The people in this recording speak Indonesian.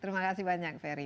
terima kasih banyak ferry